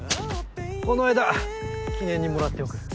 この枝記念にもらっておく。